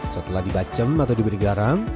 setelah dibacem atau diberi garam